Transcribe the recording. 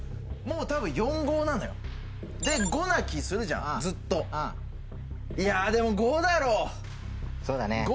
もうたぶん４５なのよで５な気するじゃんずっといやでも５だろそうだね